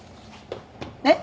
えっ！？